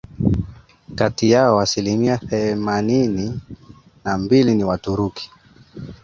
Kati yao asilimia themanini na mbili ni Waturuki